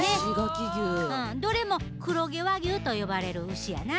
どれも黒毛和牛と呼ばれる牛やな。